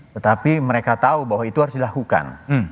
tetapi mereka tahu bahwa itu harus dilakukan